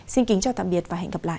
xin kính chào tạm biệt và hẹn gặp lại